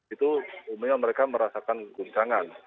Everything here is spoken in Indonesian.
itu umumnya mereka merasakan guncangan